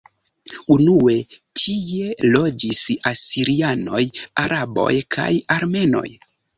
Unue tie loĝis asirianoj, araboj kaj armenoj.